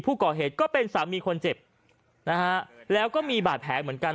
ผู้ก่อเหตุก็เป็นสามีคนเจ็บนะฮะแล้วก็มีบาดแผลเหมือนกัน